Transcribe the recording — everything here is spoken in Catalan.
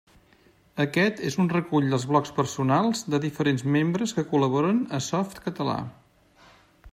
Aquest és un recull dels blocs personals de diferents membres que col·laboren a Softcatalà.